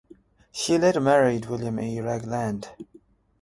She later married William E. Ragland.